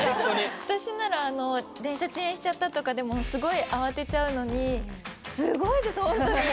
私なら電車遅延しちゃったとかでもすごい慌てちゃうのにすごいですほんとに。